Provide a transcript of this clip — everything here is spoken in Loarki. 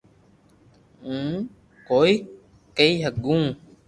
ھي ھون ڪوئي ڪئي ھگو